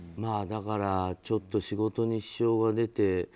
だからちょっと仕事に支障が出て。